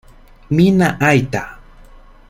Minna aita...